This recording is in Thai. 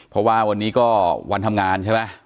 เพราะว่าวันนี้ก็วันทำงานใช่ไหม